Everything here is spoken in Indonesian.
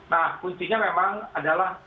nah kuncinya memang adalah